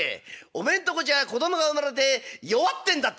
おめえんとこじゃ子供が生まれて弱ってんだってなあ」。